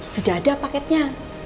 sudah ada paketnya